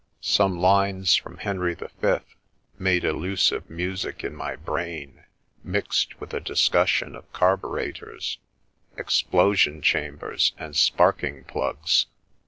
Some lines from " Henry the Fifth " made elusive music in my brain, mixed with a discussion of carburetters, ex plosion chambers, and sparking plugs.